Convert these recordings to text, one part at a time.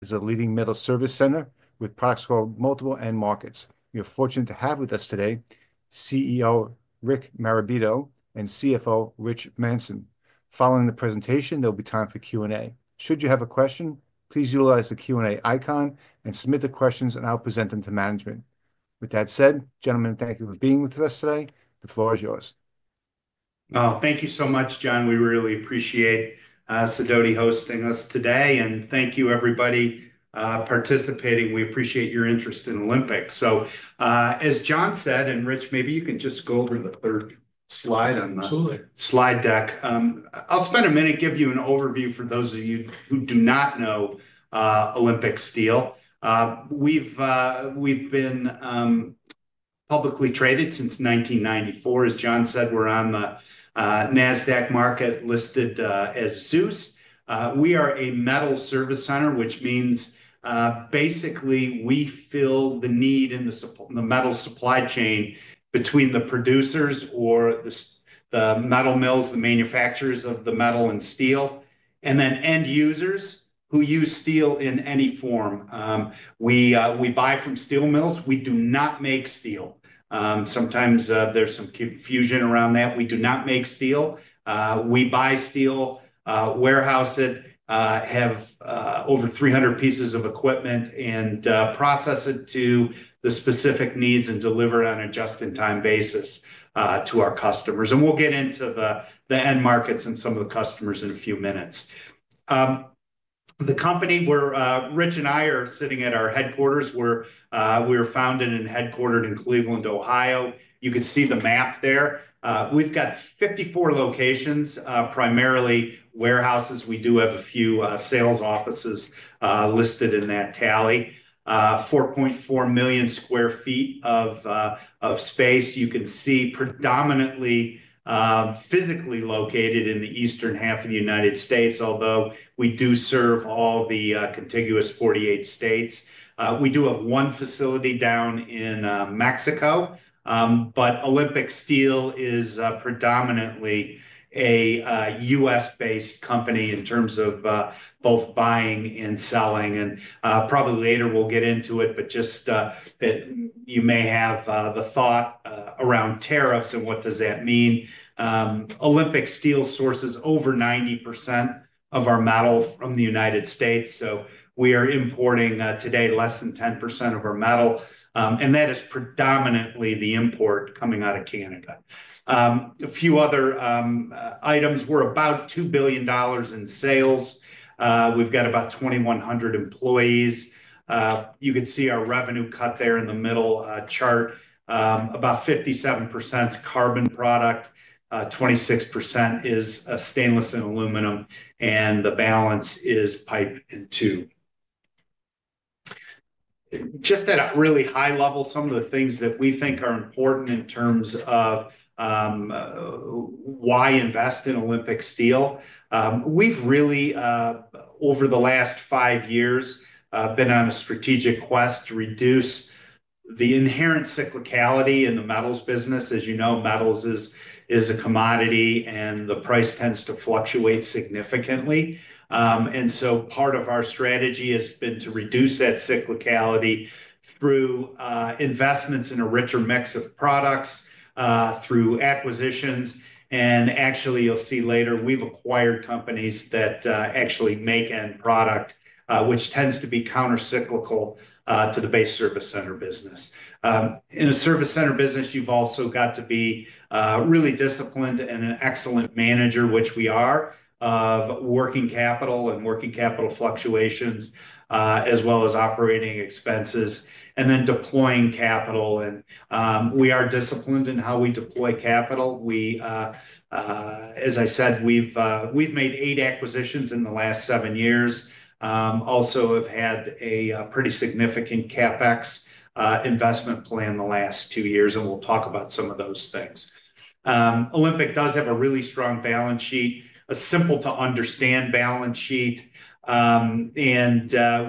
This is a leading metal service center with practical multiple end markets. We are fortunate to have with us today CEO Rick Marabito and CFO Rich Manson. Following the presentation, there'll be time for Q&A. Should you have a question, please utilize the Q&A icon and submit the questions, and I'll present them to management. With that said, gentlemen, thank you for being with us today. The floor is yours. Thank you so much, John. We really appreciate Sidoti hosting us today, and thank you, everybody, participating. We appreciate your interest in Olympic. As John said, and Rich, maybe you can just go over to the third slide on the slide deck. I'll spend a minute, give you an overview for those of you who do not know Olympic Steel. We've been publicly traded since 1994. As John said, we're on the NASDAQ market, listed as ZEUS. We are a metal service center, which means basically we fill the need in the metal supply chain between the producers or the metal mills, the manufacturers of the metal and steel, and then end users who use steel in any form. We buy from steel mills. We do not make steel. Sometimes there's some confusion around that. We do not make steel. We buy steel, warehouse it, have over 300 pieces of equipment, and process it to the specific needs and deliver on a just-in-time basis to our customers. We will get into the end markets and some of the customers in a few minutes. The company where Rich and I are sitting at our headquarters, we were founded and headquartered in Cleveland, Ohio. You could see the map there. We have 54 locations, primarily warehouses. We do have a few sales offices listed in that tally: 4.4 million sq ft of space. You can see predominantly physically located in the eastern half of the U.S., although we do serve all the contiguous 48 states. We do have one facility down in Mexico, but Olympic Steel is predominantly a U.S.-based company in terms of both buying and selling. Probably later we'll get into it, but just you may have the thought around tariffs and what does that mean. Olympic Steel sources over 90% of our metal from the United States. We are importing today less than 10% of our metal, and that is predominantly the import coming out of Canada. A few other items: we're about $2 billion in sales. We've got about 2,100 employees. You could see our revenue cut there in the middle chart. About 57% is carbon product, 26% is stainless and aluminum, and the balance is pipe and tube. Just at a really high level, some of the things that we think are important in terms of why invest in Olympic Steel. We've really, over the last five years, been on a strategic quest to reduce the inherent cyclicality in the metals business. As you know, metals is a commodity, and the price tends to fluctuate significantly. Part of our strategy has been to reduce that cyclicality through investments in a richer mix of products, through acquisitions. Actually, you'll see later, we've acquired companies that actually make end product, which tends to be countercyclical to the base service center business. In a service center business, you've also got to be really disciplined and an excellent manager, which we are of working capital and working capital fluctuations, as well as operating expenses, and then deploying capital. We are disciplined in how we deploy capital. As I said, we've made eight acquisitions in the last seven years. Also, have had a pretty significant CapEx investment plan the last two years, and we'll talk about some of those things. Olympic does have a really strong balance sheet, a simple-to-understand balance sheet, and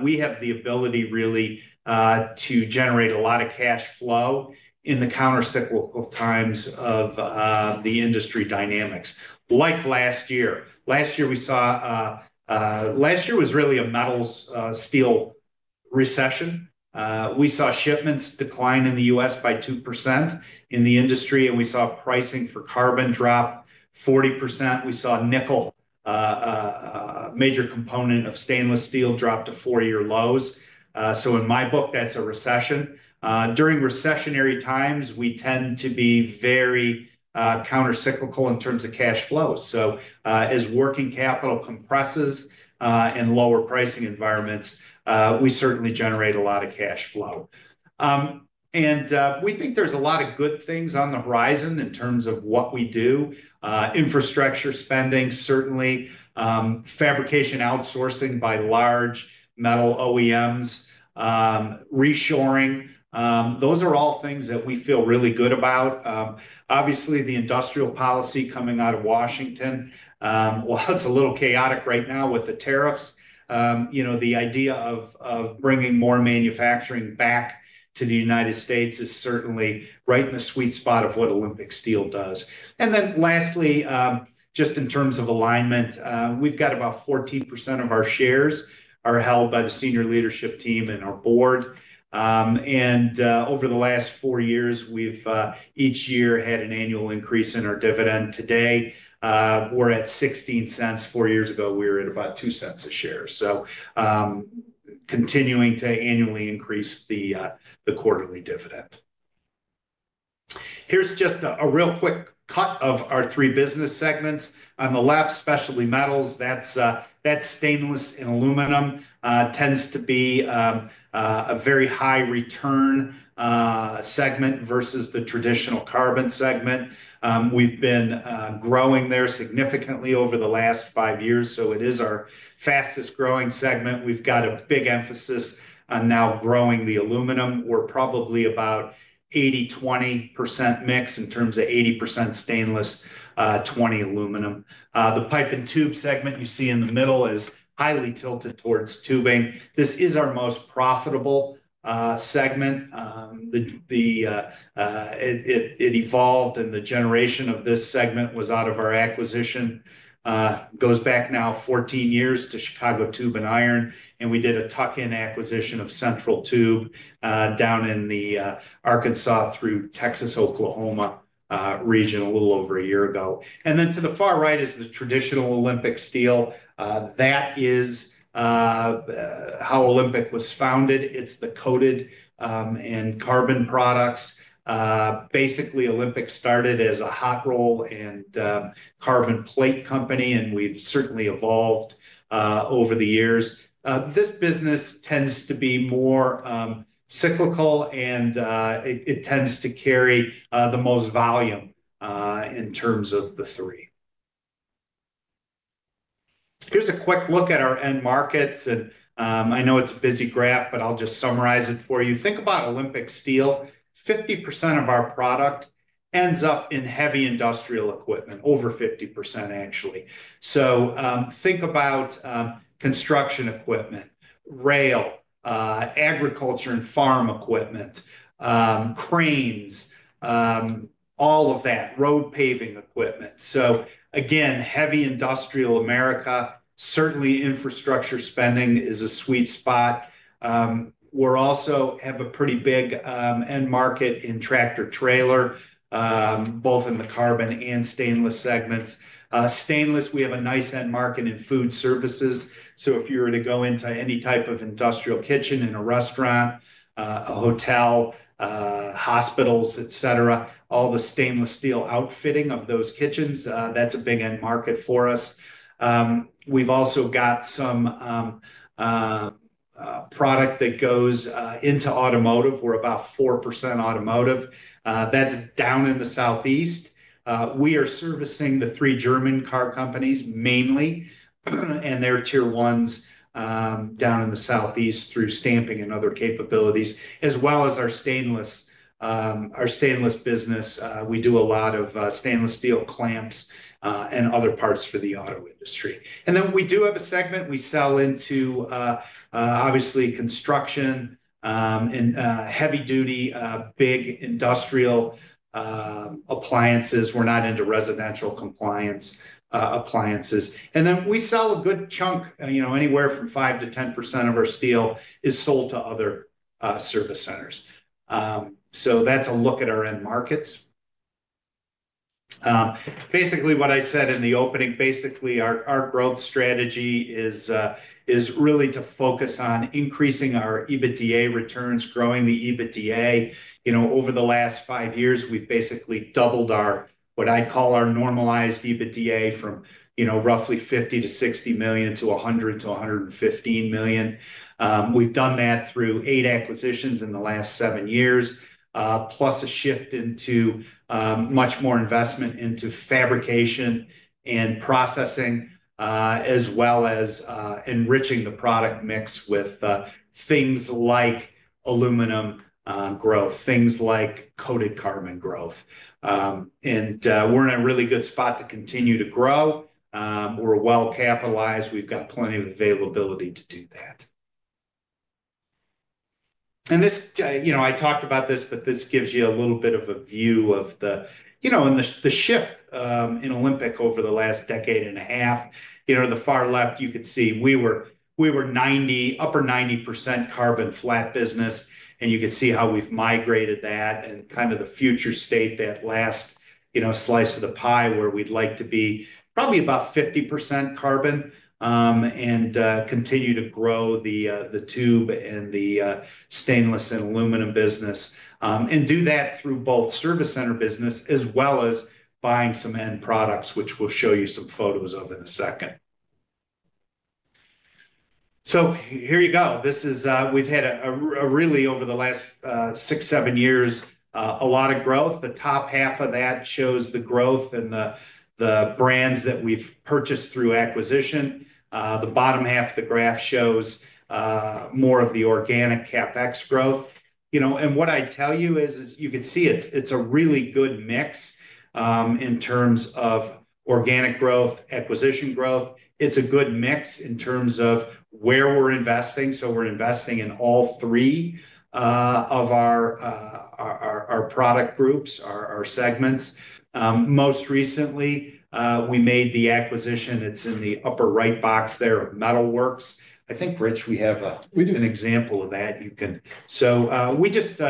we have the ability really to generate a lot of cash flow in the countercyclical times of the industry dynamics, like last year. Last year we saw—last year was really a metals steel recession. We saw shipments decline in the U.S. by 2% in the industry, and we saw pricing for carbon drop 40%. We saw nickel, a major component of stainless steel, drop to four-year lows. In my book, that's a recession. During recessionary times, we tend to be very countercyclical in terms of cash flow. As working capital compresses in lower pricing environments, we certainly generate a lot of cash flow. We think there's a lot of good things on the horizon in terms of what we do: infrastructure spending, certainly fabrication outsourcing by large metal OEMs, reshoring. Those are all things that we feel really good about. Obviously, the industrial policy coming out of Washington, while it's a little chaotic right now with the tariffs, the idea of bringing more manufacturing back to the United States is certainly right in the sweet spot of what Olympic Steel does. Lastly, just in terms of alignment, we've got about 14% of our shares held by the senior leadership team and our board. Over the last four years, we've each year had an annual increase in our dividend. Today, we're at $0.16. Four years ago, we were at about $0.02 a share. Continuing to annually increase the quarterly dividend. Here's just a real quick cut of our three business segments. On the left, specialty metals, that's stainless and aluminum, tends to be a very high return segment versus the traditional carbon segment. We've been growing there significantly over the last five years, so it is our fastest growing segment. We've got a big emphasis on now growing the aluminum. We're probably about 80-20% mix in terms of 80% stainless, 20% aluminum. The pipe and tube segment you see in the middle is highly tilted towards tubing. This is our most profitable segment. It evolved, and the generation of this segment was out of our acquisition, goes back now 14 years to Chicago Tube & Iron, and we did a tuck-in acquisition of Central Tube down in Arkansas through Texas-Oklahoma region a little over a year ago. To the far right is the traditional Olympic Steel. That is how Olympic was founded. It's the coated and carbon products. Basically, Olympic started as a hot roll and carbon plate company, and we've certainly evolved over the years. This business tends to be more cyclical, and it tends to carry the most volume in terms of the three. Here's a quick look at our end markets. I know it's a busy graph, but I'll just summarize it for you. Think about Olympic Steel. 50% of our product ends up in heavy industrial equipment, over 50%, actually. Think about construction equipment, rail, agriculture and farm equipment, cranes, all of that, road paving equipment. Heavy industrial America, certainly infrastructure spending is a sweet spot. We also have a pretty big end market in tractor-trailer, both in the carbon and stainless segments. Stainless, we have a nice end market in food services. If you were to go into any type of industrial kitchen in a restaurant, a hotel, hospitals, etc., all the stainless steel outfitting of those kitchens, that's a big end market for us. We've also got some product that goes into automotive. We're about 4% automotive. That's down in the southeast. We are servicing the three German car companies mainly, and their tier ones down in the southeast through stamping and other capabilities, as well as our stainless business. We do a lot of stainless steel clamps and other parts for the auto industry. We do have a segment we sell into, obviously, construction and heavy-duty, big industrial appliances. We're not into residential compliance appliances. We sell a good chunk. Anywhere from 5%-10% of our steel is sold to other service centers. That's a look at our end markets. Basically, what I said in the opening, basically our growth strategy is really to focus on increasing our EBITDA returns, growing the EBITDA. Over the last five years, we've basically doubled what I call our normalized EBITDA from roughly $50 million-$60 million to $100 million-$115 million. We've done that through eight acquisitions in the last seven years, plus a shift into much more investment into fabrication and processing, as well as enriching the product mix with things like aluminum growth, things like coated carbon growth. We're in a really good spot to continue to grow. We're well capitalized. We've got plenty of availability to do that. I talked about this, but this gives you a little bit of a view of the shift in Olympic Steel over the last decade and a half. The far left, you could see we were upper 90% carbon flat business, and you could see how we've migrated that and kind of the future state, that last slice of the pie where we'd like to be probably about 50% carbon and continue to grow the tube and the stainless and aluminum business, and do that through both service center business as well as buying some end products, which we'll show you some photos of in a second. Here you go. We've had really, over the last six, seven years, a lot of growth. The top half of that shows the growth in the brands that we've purchased through acquisition. The bottom half of the graph shows more of the organic CapEx growth. What I tell you is, you could see it's a really good mix in terms of organic growth, acquisition growth. It's a good mix in terms of where we're investing. We're investing in all three of our product groups, our segments. Most recently, we made the acquisition. It's in the upper right box there, Metal Works. I think, Rich, we have an example of that. We just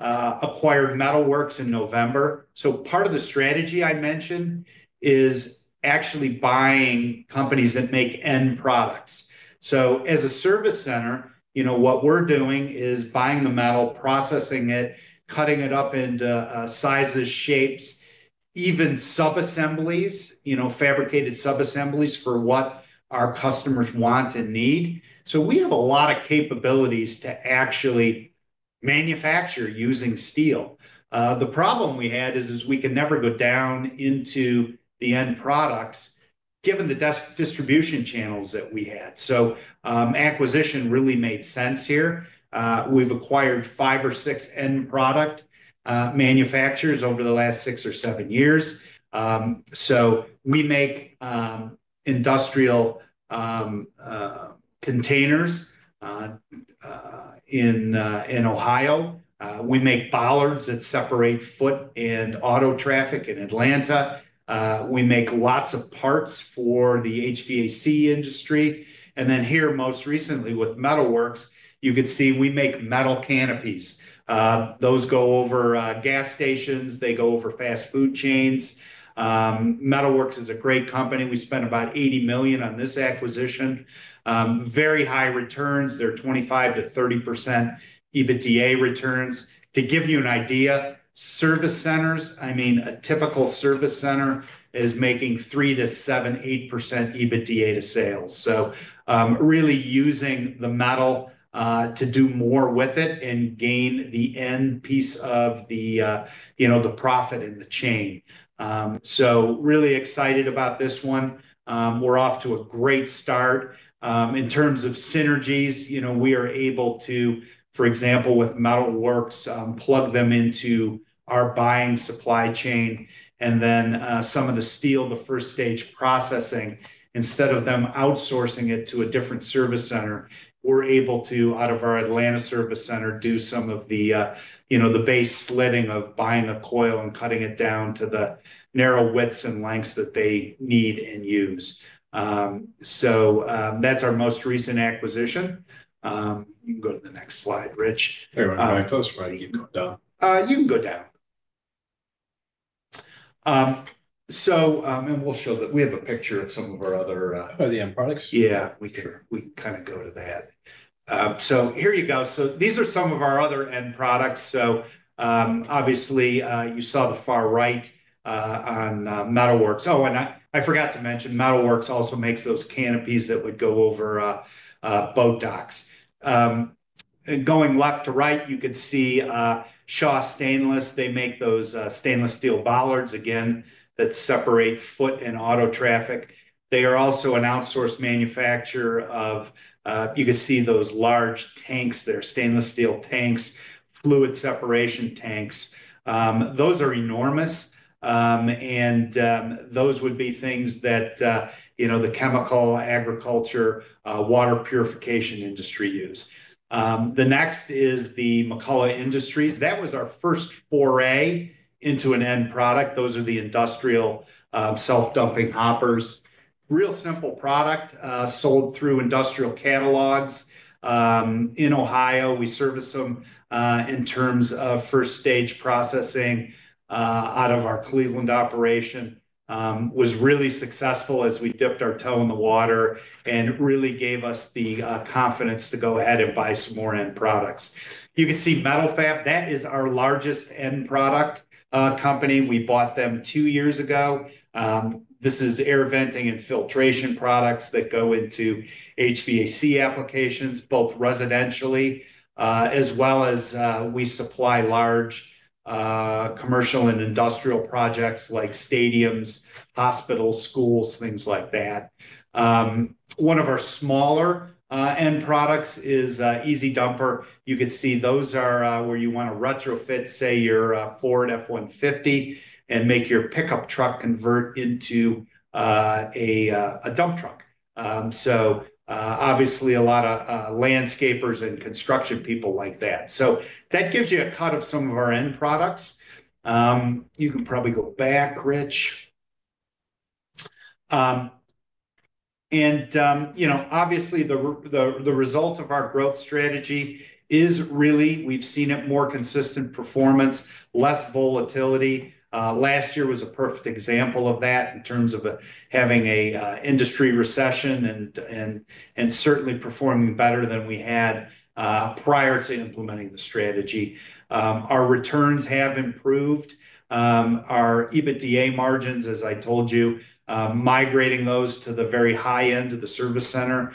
acquired Metal Works in November. Part of the strategy I mentioned is actually buying companies that make end products. As a service center, what we're doing is buying the metal, processing it, cutting it up into sizes, shapes, even fabricated sub-assemblies for what our customers want and need. We have a lot of capabilities to actually manufacture using steel. The problem we had is we can never go down into the end products given the distribution channels that we had. Acquisition really made sense here. We've acquired five or six end product manufacturers over the last six or seven years. We make industrial containers in Ohio. We make bollards that separate foot and auto traffic in Atlanta. We make lots of parts for the HVAC industry. Most recently with Metal Works, you could see we make metal canopies. Those go over gas stations. They go over fast food chains. Metal Works is a great company. We spent about $80 million on this acquisition. Very high returns. They're 25-30% EBITDA returns. To give you an idea, service centers, I mean, a typical service center is making 3-7, 8% EBITDA to sales. Really using the metal to do more with it and gain the end piece of the profit in the chain. Really excited about this one. We're off to a great start. In terms of synergies, we are able to, for example, with Metal Works, plug them into our buying supply chain. Then some of the steel, the first stage processing, instead of them outsourcing it to a different service center, we're able to, out of our Atlanta service center, do some of the base slitting of buying a coil and cutting it down to the narrow widths and lengths that they need and use. That is our most recent acquisition. You can go to the next slide, Rich. There you go. Can I touch my keyboard down? You can go down. We will show that we have a picture of some of our other. Of the end products? Yeah. We kind of go to that. Here you go. These are some of our other end products. Obviously, you saw the far right on Metal Works. Oh, I forgot to mention, Metal Works also makes those canopies that would go over boat docks. Going left to right, you could see Shaw Stainless. They make those stainless steel bollards, again, that separate foot and auto traffic. They are also an outsource manufacturer of, you can see those large tanks there, stainless steel tanks, fluid separation tanks. Those are enormous. Those would be things that the chemical, agriculture, water purification industry use. The next is the McCullough Industries. That was our first foray into an end product. Those are the industrial self-dumping hoppers. Real simple product sold through industrial catalogs. In Ohio, we service them in terms of first stage processing out of our Cleveland operation. Was really successful as we dipped our toe in the water and really gave us the confidence to go ahead and buy some more end products. You can see Metal-Fab. That is our largest end product company. We bought them two years ago. This is air venting and filtration products that go into HVAC applications, both residentially, as well as we supply large commercial and industrial projects like stadiums, hospitals, schools, things like that. One of our smaller end products is EZ-Dumper. You could see those are where you want to retrofit, say, your Ford F-150 and make your pickup truck convert into a dump truck. Obviously, a lot of landscapers and construction people like that. That gives you a cut of some of our end products. You can probably go back, Rich. Obviously, the result of our growth strategy is really, we've seen it more consistent performance, less volatility. Last year was a perfect example of that in terms of having an industry recession and certainly performing better than we had prior to implementing the strategy. Our returns have improved. Our EBITDA margins, as I told you, migrating those to the very high end of the service center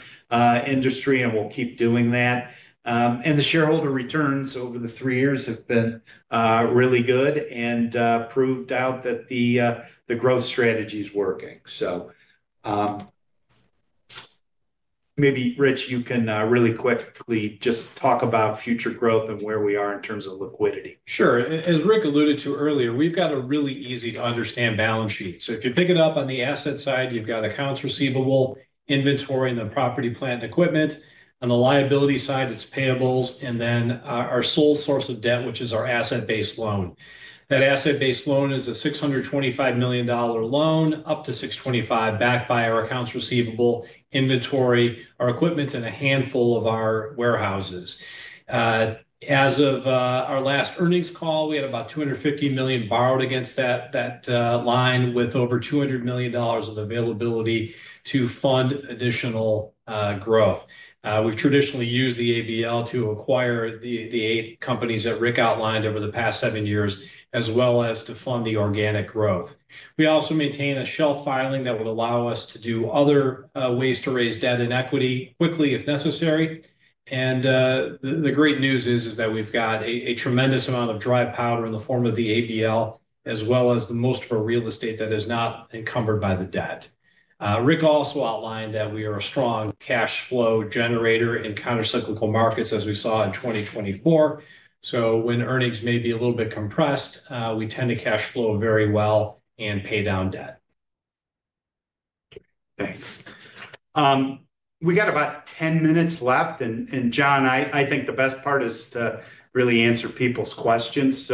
industry, and we'll keep doing that. The shareholder returns over the three years have been really good and proved out that the growth strategy is working. Maybe, Rich, you can really quickly just talk about future growth and where we are in terms of liquidity. Sure. As Rick alluded to earlier, we've got a really easy-to-understand balance sheet. If you pick it up on the asset side, you've got accounts receivable, inventory, and the property, plant, and equipment. On the liability side, it's payables. Then our sole source of debt, which is our asset-based loan. That asset-based loan is a $625 million loan, up to $625 million backed by our accounts receivable, inventory, our equipment, and a handful of our warehouses. As of our last earnings call, we had about $250 million borrowed against that line with over $200 million of availability to fund additional growth. We've traditionally used the ABL to acquire the eight companies that Rick outlined over the past seven years, as well as to fund the organic growth. We also maintain a shelf filing that would allow us to do other ways to raise debt and equity quickly if necessary. The great news is that we've got a tremendous amount of dry powder in the form of the ABL, as well as most of our real estate that is not encumbered by the debt. Rick also outlined that we are a strong cash flow generator in countercyclical markets, as we saw in 2024. When earnings may be a little bit compressed, we tend to cash flow very well and pay down debt. Thanks. We got about 10 minutes left. John, I think the best part is to really answer people's questions.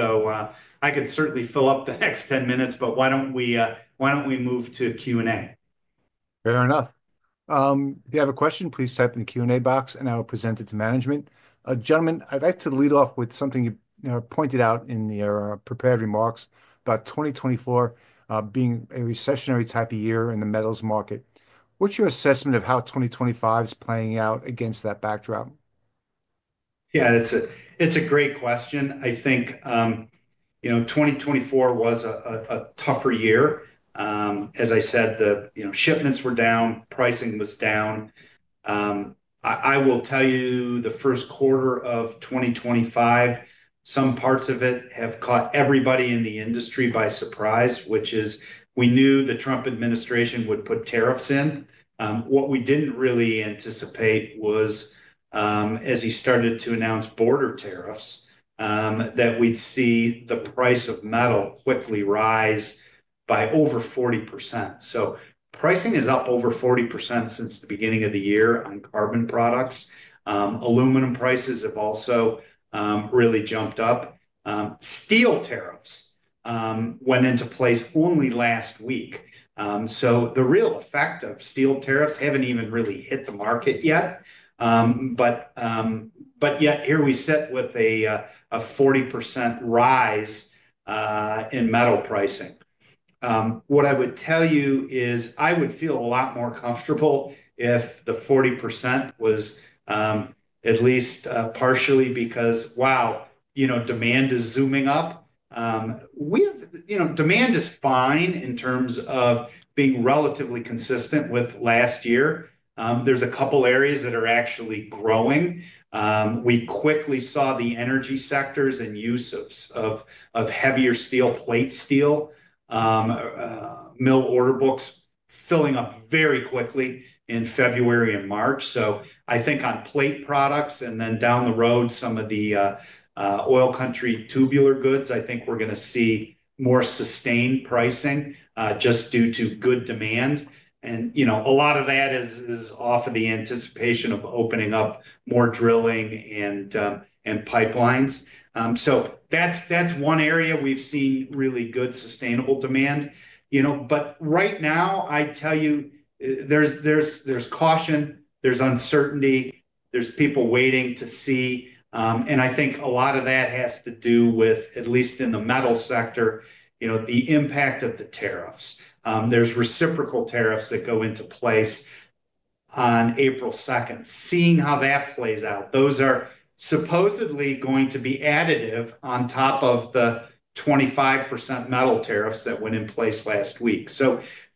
I could certainly fill up the next 10 minutes, but why don't we move to Q&A? Fair enough. If you have a question, please type in the Q&A box, and I'll present it to management. Gentlemen, I'd like to lead off with something you pointed out in your prepared remarks about 2024 being a recessionary type of year in the metals market. What's your assessment of how 2025 is playing out against that backdrop? Yeah, it's a great question. I think 2024 was a tougher year. As I said, the shipments were down, pricing was down. I will tell you the first quarter of 2025, some parts of it have caught everybody in the industry by surprise, which is we knew the Trump administration would put tariffs in. What we didn't really anticipate was, as he started to announce border tariffs, that we'd see the price of metal quickly rise by over 40%. So pricing is up over 40% since the beginning of the year on carbon products. Aluminum prices have also really jumped up. Steel tariffs went into place only last week. The real effect of steel tariffs hasn't even really hit the market yet. Yet, here we sit with a 40% rise in metal pricing. What I would tell you is I would feel a lot more comfortable if the 40% was at least partially because, wow, demand is zooming up. Demand is fine in terms of being relatively consistent with last year. There are a couple of areas that are actually growing. We quickly saw the energy sectors and use of heavier steel, plate steel, mill order books filling up very quickly in February and March. I think on plate products and then down the road, some of the oil country tubular goods, I think we are going to see more sustained pricing just due to good demand. A lot of that is off of the anticipation of opening up more drilling and pipelines. That is one area we have seen really good sustainable demand. Right now, I tell you, there is caution, there is uncertainty, there are people waiting to see. I think a lot of that has to do with, at least in the metal sector, the impact of the tariffs. There are reciprocal tariffs that go into place on April 2. Seeing how that plays out, those are supposedly going to be additive on top of the 25% metal tariffs that went in place last week.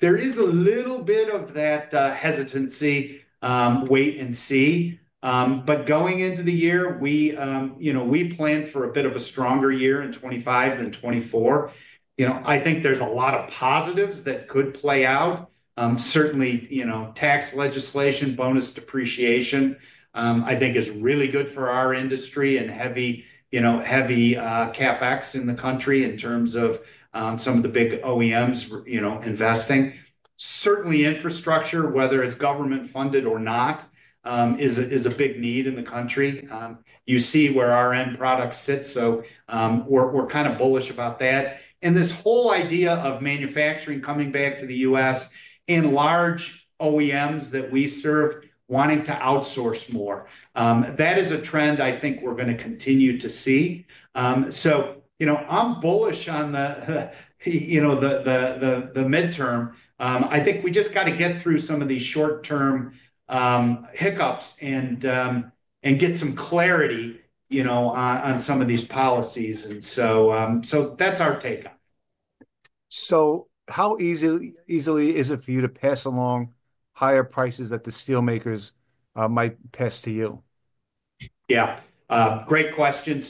There is a little bit of that hesitancy, wait and see. Going into the year, we plan for a bit of a stronger year in 2025 than 2024. I think there are a lot of positives that could play out. Certainly, tax legislation, bonus depreciation, I think is really good for our industry and heavy CapEx in the country in terms of some of the big OEMs investing. Certainly, infrastructure, whether it is government-funded or not, is a big need in the country. You see where our end product sits. We're kind of bullish about that. This whole idea of manufacturing coming back to the U.S. and large OEMs that we serve wanting to outsource more is a trend I think we're going to continue to see. I'm bullish on the midterm. I think we just got to get through some of these short-term hiccups and get some clarity on some of these policies. That's our take on it. How easily is it for you to pass along higher prices that the steelmakers might pass to you? Yeah. Great question.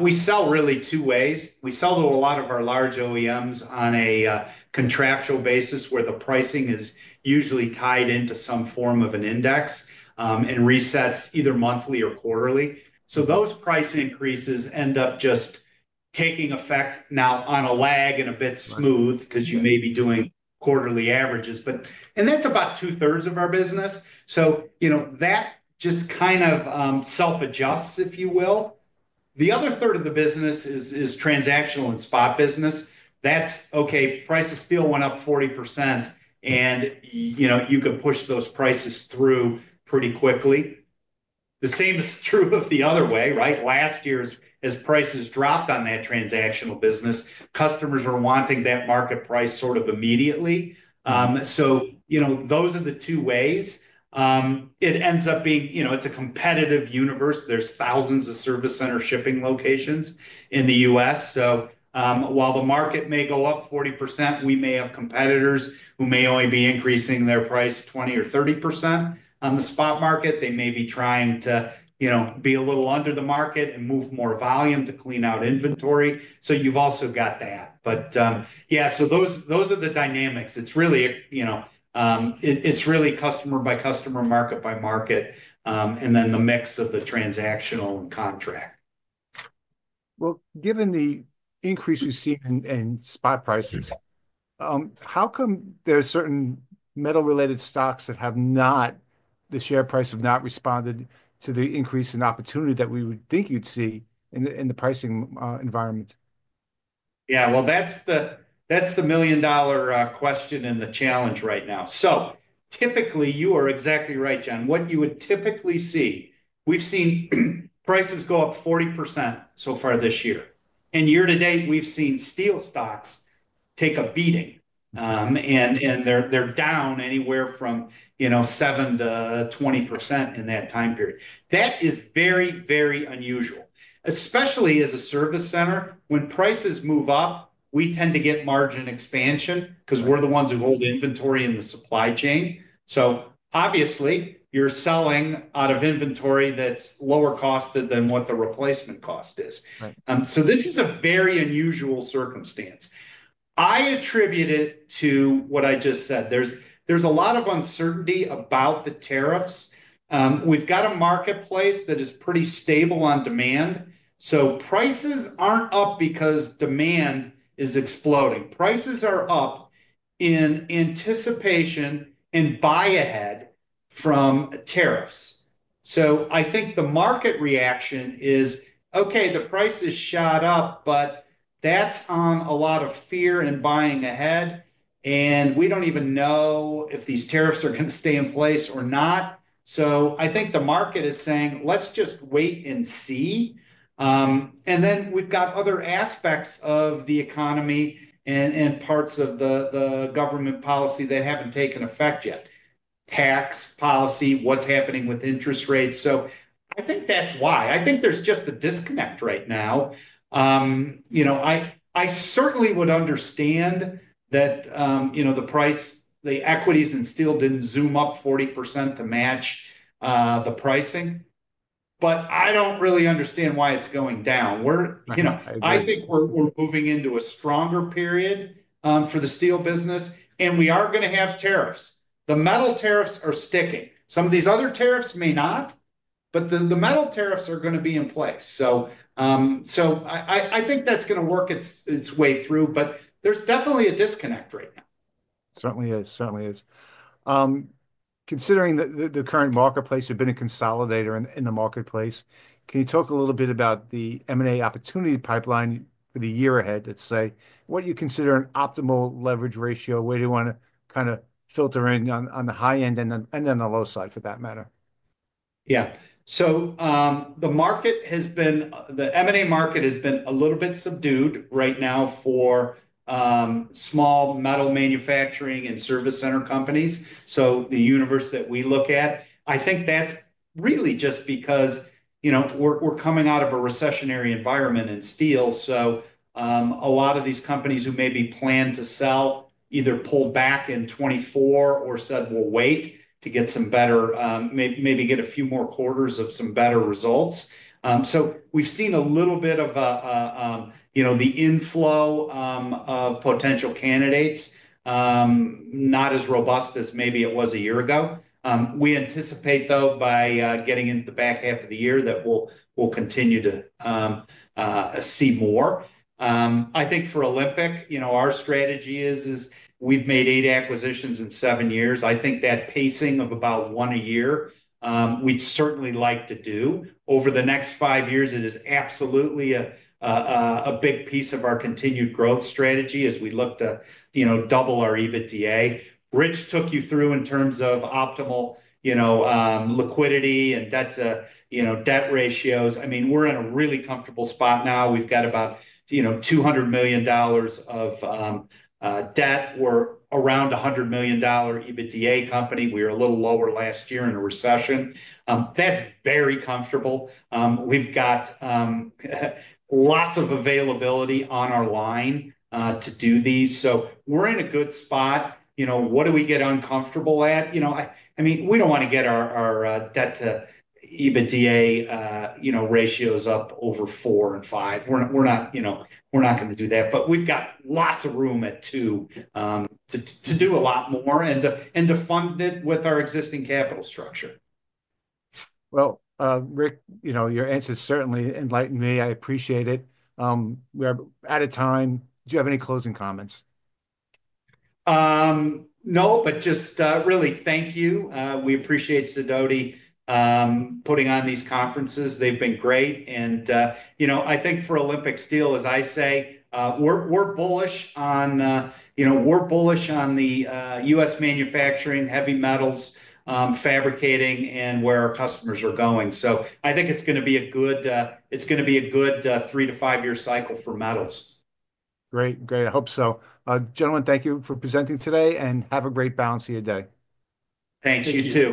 We sell really two ways. We sell to a lot of our large OEMs on a contractual basis where the pricing is usually tied into some form of an index and resets either monthly or quarterly. Those price increases end up just taking effect now on a lag and a bit smooth because you may be doing quarterly averages. That is about two-thirds of our business. That just kind of self-adjusts, if you will. The other third of the business is transactional and spot business. That is, okay, price of steel went up 40%, and you could push those prices through pretty quickly. The same is true the other way, right? Last year, as prices dropped on that transactional business, customers were wanting that market price sort of immediately. Those are the two ways. It ends up being a competitive universe. are thousands of service center shipping locations in the U.S. While the market may go up 40%, we may have competitors who may only be increasing their price 20% or 30%. On the spot market, they may be trying to be a little under the market and move more volume to clean out inventory. You have also got that. Those are the dynamics. It is really customer by customer, market by market, and then the mix of the transactional and contract. Given the increase we've seen in spot prices, how come there are certain metal-related stocks that have not, the share price has not responded to the increase in opportunity that we would think you'd see in the pricing environment? Yeah, that's the million-dollar question and the challenge right now. Typically, you are exactly right, John. What you would typically see, we've seen prices go up 40% so far this year. Year to date, we've seen steel stocks take a beating. They're down anywhere from 7-20% in that time period. That is very, very unusual. Especially as a service center, when prices move up, we tend to get margin expansion because we're the ones who hold inventory in the supply chain. Obviously, you're selling out of inventory that's lower costed than what the replacement cost is. This is a very unusual circumstance. I attribute it to what I just said. There's a lot of uncertainty about the tariffs. We've got a marketplace that is pretty stable on demand. Prices aren't up because demand is exploding. Prices are up in anticipation and buy ahead from tariffs. I think the market reaction is, okay, the price is shot up, but that's on a lot of fear and buying ahead. We don't even know if these tariffs are going to stay in place or not. I think the market is saying, let's just wait and see. We have other aspects of the economy and parts of the government policy that haven't taken effect yet. Tax policy, what's happening with interest rates. I think that's why. I think there's just a disconnect right now. I certainly would understand that the price, the equities in steel didn't zoom up 40% to match the pricing. I don't really understand why it's going down. I think we're moving into a stronger period for the steel business, and we are going to have tariffs. The metal tariffs are sticking. Some of these other tariffs may not, but the metal tariffs are going to be in place. I think that's going to work its way through, but there's definitely a disconnect right now. Certainly is. Considering that the current marketplace has been a consolidator in the marketplace, can you talk a little bit about the M&A opportunity pipeline for the year ahead? Let's say, what do you consider an optimal leverage ratio? Where do you want to kind of filter in on the high end and then the low side for that matter? Yeah. The market has been, the M&A market has been a little bit subdued right now for small metal manufacturing and service center companies. The universe that we look at, I think that's really just because we're coming out of a recessionary environment in steel. A lot of these companies who maybe plan to sell either pulled back in 2024 or said, we'll wait to get some better, maybe get a few more quarters of some better results. We've seen a little bit of the inflow of potential candidates, not as robust as maybe it was a year ago. We anticipate, though, by getting into the back half of the year that we'll continue to see more. I think for Olympic, our strategy is we've made eight acquisitions in seven years. I think that pacing of about one a year, we'd certainly like to do. Over the next five years, it is absolutely a big piece of our continued growth strategy as we look to double our EBITDA. Rich took you through in terms of optimal liquidity and debt ratios. I mean, we're in a really comfortable spot now. We've got about $200 million of debt. We're around a $100 million EBITDA company. We were a little lower last year in a recession. That's very comfortable. We've got lots of availability on our line to do these. We're in a good spot. What do we get uncomfortable at? I mean, we don't want to get our debt to EBITDA ratios up over four and five. We're not going to do that. We've got lots of room at two to do a lot more and to fund it with our existing capital structure. Rick, your answers certainly enlightened me. I appreciate it. We're out of time. Do you have any closing comments? No, just really thank you. We appreciate Stonegate putting on these conferences. They've been great. I think for Olympic Steel, as I say, we're bullish on, we're bullish on U.S. manufacturing, heavy metals, fabricating, and where our customers are going. I think it's going to be a good, it's going to be a good three to five-year cycle for metals. Great. Great. I hope so. Gentlemen, thank you for presenting today and have a great balance of your day. Thank you. You too.